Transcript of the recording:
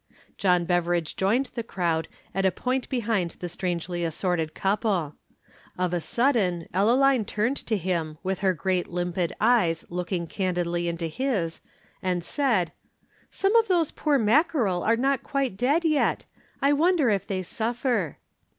John Beveridge joined the crowd at a point behind the strangely assorted couple. Of a sudden Ellaline turned to him with her great limpid eyes looking candidly into his, and said, "Some of those poor mackerel are not quite dead yet I wonder if they suffer."